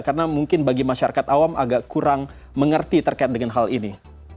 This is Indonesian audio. karena mungkin bagi masyarakat awam agak kurang mengerti terkait dengan hal ini